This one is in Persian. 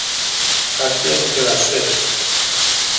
قد متوسط